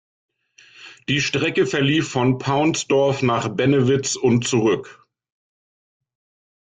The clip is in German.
Die Strecke verlief von Paunsdorf nach Bennewitz und zurück.